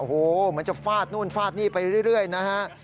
โอ้โหเหมือนจะฟาดนู่นฟาดนี่ไปเรื่อยนะฮะ